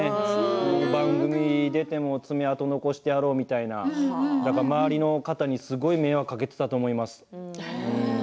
番組、出ても爪痕を残してやろうみたいなだから周りの方にすごく迷惑をかけていたと思います。